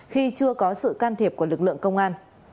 khi chưa có sự can thiệp của lực lượng công an